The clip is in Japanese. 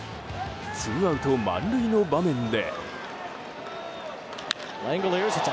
ツーアウト満塁の場面で。